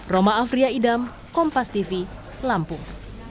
roma afria idam kompas tv lampung